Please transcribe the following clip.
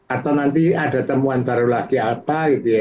atau nanti ada temuan baru lagi apa gitu ya